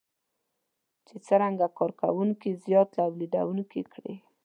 چې څرنګه کار کوونکي زیات توليدونکي کړي.